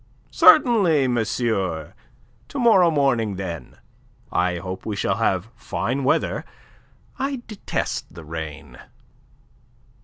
"Certainly, monsieur. To morrow morning, then. I hope we shall have fine weather. I detest the rain."